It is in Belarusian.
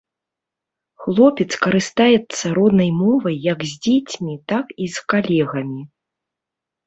Хлопец карыстаецца роднай мовай як з дзецьмі, так і з калегамі.